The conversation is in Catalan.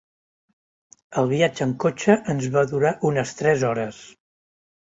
El viatge en cotxe ens va durar unes tres hores.